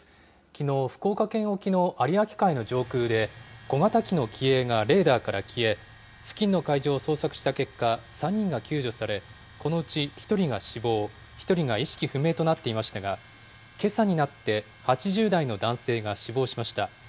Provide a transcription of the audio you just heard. きのう、福岡県沖の有明海の上空で、小型機の機影がレーダーから消え、付近の海上を捜索した結果、３人が救助され、このうち１人が死亡、１人が意識不明となっていましたが、けさになって、８０代の男性が死亡しました。